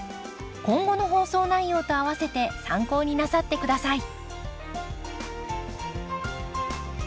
今後の放送内容とあわせて参考になさって下さい。